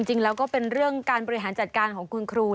จริงแล้วก็เป็นเรื่องการบริหารจัดการของคุณครู